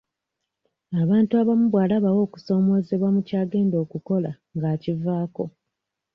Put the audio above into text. Abantu abamu bw'alabawo okusoomoozebwa mu kyagenda okukola ng'akivaako.